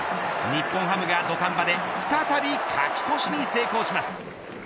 日本ハムが土壇場で再び勝ち越しに成功します。